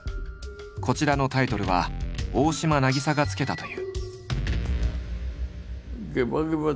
こちらのタイトルは大島が付けたという。